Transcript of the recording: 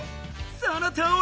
そのとおり！